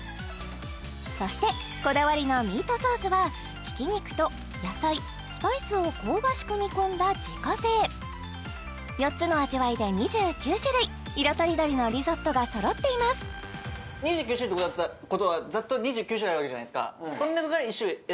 そしてこだわりのミートソースはひき肉と野菜スパイスを香ばしく煮込んだ自家製４つの味わいで２９種類色とりどりのリゾットがそろっていますことはざっと２９種類あるわけじゃないですかその中から１種類選ぶってことですよね？